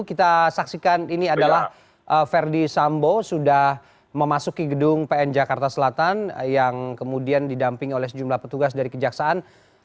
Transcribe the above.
kita saksikan ini adalah verdi sambo sudah memasuki gedung pn jakarta selatan yang kemudian didamping oleh sejumlah petugas dari kejaksaan